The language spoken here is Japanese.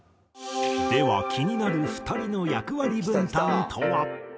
では気になる２人の役割分担とは？